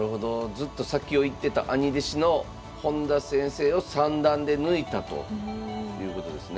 ずっと先を行ってた兄弟子の本田先生を三段で抜いたということですね。